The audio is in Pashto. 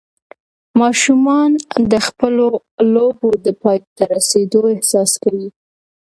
ماشومان د خپلو لوبو د پای ته رسېدو احساس کوي.